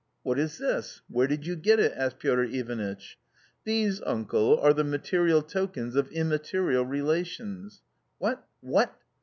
"What is this? Where did you get it?" asked Piotr Ivanitch. "These, uncle, are the material tokens of immaterial relations." " What — what?